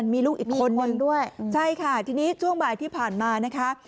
มีลูกอีกคนนึงด้วยใช่ค่ะทีนี้ช่วงบ่ายที่ผ่านมานะคะ